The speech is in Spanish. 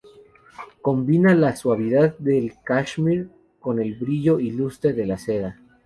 Combina la suavidad del cashmere con el brillo y lustre de la seda.